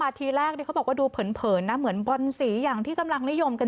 ทีแรกเขาบอกว่าดูเผินนะเหมือนบอลสีอย่างที่กำลังนิยมกัน